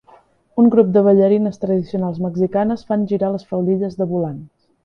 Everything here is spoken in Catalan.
Un grup de ballarines tradicionals mexicanes fan girar les faldilles de volants.